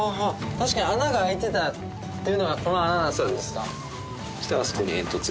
確かに穴が開いてたっていうのはこの穴がそうですか？